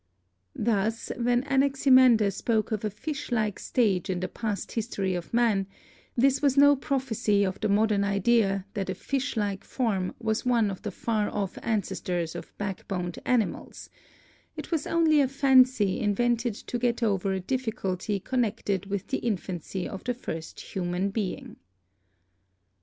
Thus when Anaximander spoke of a fish like stage in the past history of man, this was no prophecy of the mod ern idea that a fish like form was one of the far off ADAPTATION 293 ancestors of backboned animals; it was only a fancy in vented to get over a difficulty connected with the infancy of the first human being.